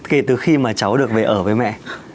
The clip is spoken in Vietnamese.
kể từ khi mà cháu được về ở với mẹ